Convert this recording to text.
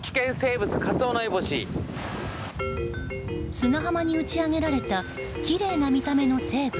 砂浜に打ち揚げられたきれいな見た目の生物。